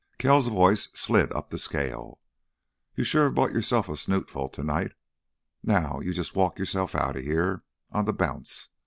Kells' voice slid up the scale. "You sure have yourself a snootful tonight! Now you jus' walk yourself outta here on th' bounce.